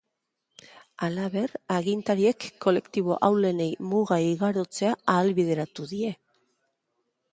Halaber, agintariek kolektibo ahulenei muga igarotzea ahalbideratu die.